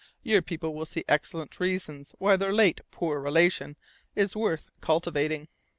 Your people will see excellent reasons why their late 'poor relation' is worth cultivating.